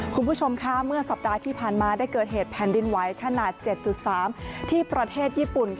คุณผู้ชมค่ะเมื่อสัปดาห์ที่ผ่านมาได้เกิดเหตุแผ่นดินไหวขนาด๗๓ที่ประเทศญี่ปุ่น